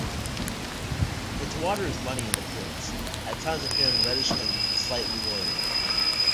Its water is muddy in appearance, at times appearing reddish and 'slightly oily'.